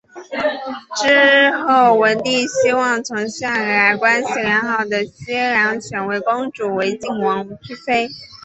之后文帝希望从向来关系良好的西梁选位公主为晋王之妃。